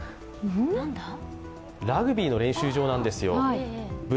ラグビーの練習場なんですよ。